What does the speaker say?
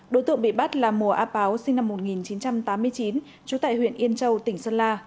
đối tượng bị bắt là mùa á páo sinh năm một nghìn chín trăm tám mươi chín trú tại huyện yên châu tỉnh sơn la